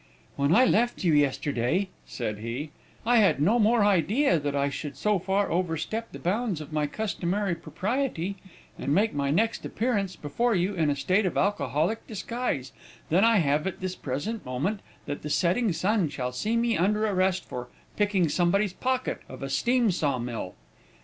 "When I left you yesterday," said he, "I had no more idea that I should so far overstep the bounds of my customary propriety, and make my next appearance before you in a state of alcoholic disguise, than I have at this present moment that the setting sun will see me under arrest for picking somebody's pocket of a steam saw mill.